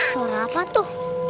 suara apa tuh